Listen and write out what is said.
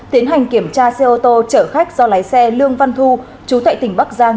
tiến hành kiểm tra xe ô tô chở khách do lái xe lương văn thu chú tại tỉnh bắc giang